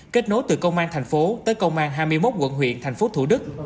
kết nối từ công an tp hcm tới công an hai mươi một quận huyện tp thủ đức